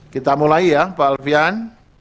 kita mulai ya pak alfian